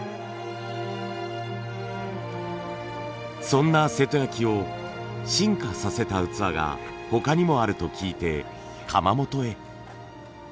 そんな瀬戸焼を進化させた器が他にもあると聞いて窯元へ。